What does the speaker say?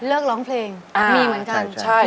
ร้องเพลงมีเหมือนกัน